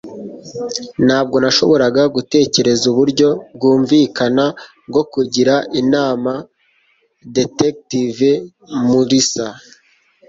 Ntabwo nashoboraga gutekereza uburyo bwumvikana bwo kugira inama Detective Mulisa.